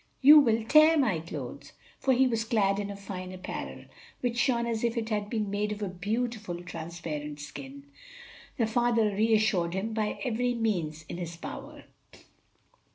"You will tear my clothes!" For he was clad in a fine apparel, which shone as if it had been made of a beautiful transparent skin. The father reassured him by every means in his power.